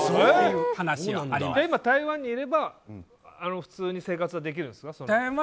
今、台湾にいれば普通に生活はできるんですか？